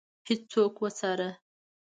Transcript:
هیڅوک وڅاره.